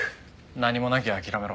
何もなきゃ諦めろ。